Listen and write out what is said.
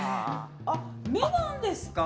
あっ「め」なんですか。